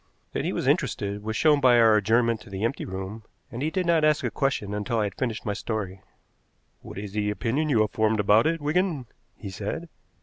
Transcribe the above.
That he was interested was shown by our adjournment to the empty room, and he did not ask a question until I had finished my story. "What is the opinion you have formed about it, Wigan?" he said.